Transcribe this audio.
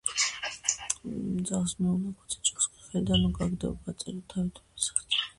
ვძაღლს მიულაქუცე, ჯოხს კი ხელიდან ნუ გააგდებო ბაწარიო დავით მეფეს გასწავლიო